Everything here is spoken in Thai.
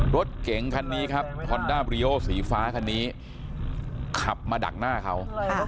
รถเก๋งคันนี้ครับสีฟ้าคันนี้ขับมาดักหน้าเขา